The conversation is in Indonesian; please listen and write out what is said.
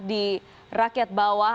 di rakyat bawah